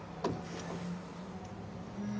うん。